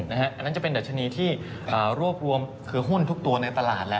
อันนั้นจะเป็นดัชนีที่รวบรวมคือหุ้นทุกตัวในตลาดแล้ว